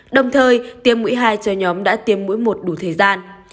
đồng thời tiêm mũi hai cho nhóm đã tiêm mũi một đủ thời gian